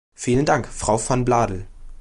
Vielen Dank, Frau van Bladel!